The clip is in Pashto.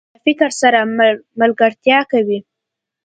قلم له فکر سره ملګرتیا کوي